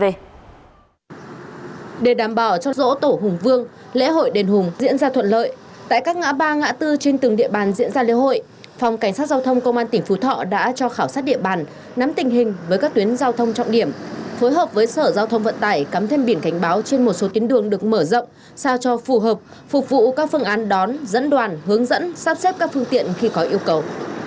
để đảm bảo cho rỗ tổ hùng vương lễ hội đền hùng diễn ra thuận lợi tại các ngã ba ngã bốn trên từng địa bàn diễn ra lễ hội phòng cảnh sát giao thông công an tỉnh phú thọ đã cho khảo sát địa bàn nắm tình hình với các tuyến giao thông trọng điểm phối hợp với sở giao thông vận tải cắm thêm biển cảnh báo trên một số tuyến đường được mở rộng sao cho phù hợp phục vụ các phương án đón dẫn đoàn hướng dẫn sắp xếp các phương tiện khi có yêu cầu